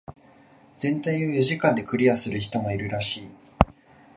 全体を四時間でクリアする人もいるらしい。